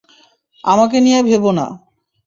আমাকে নিয়ে ভেব না।